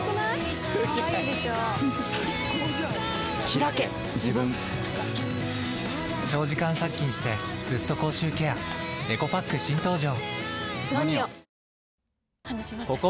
ひらけ自分長時間殺菌してずっと口臭ケアエコパック新登場！